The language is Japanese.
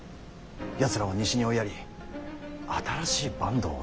やつらを西に追いやり新しい坂東をつくるのです。